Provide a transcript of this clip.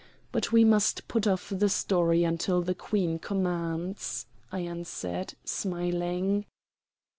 "But we must put off the story until the Queen commands," I answered, smiling.